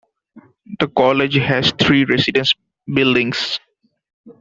The college has three residence buildings.